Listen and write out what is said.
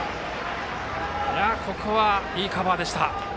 ここはいいカバーでした。